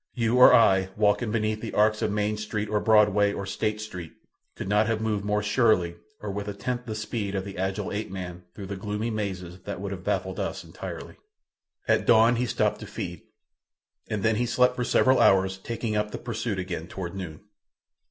You or I walking beneath the arcs of Main Street, or Broadway, or State Street, could not have moved more surely or with a tenth the speed of the agile ape man through the gloomy mazes that would have baffled us entirely. At dawn he stopped to feed, and then he slept for several hours, taking up the pursuit again toward noon.